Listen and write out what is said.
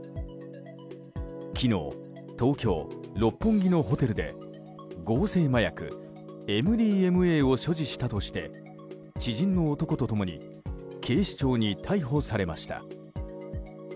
昨日、東京・六本木のホテルで合成麻薬ＭＤＭＡを所持したとして知人の男と共に警視庁に逮捕されました。